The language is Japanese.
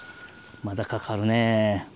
まだかかるね。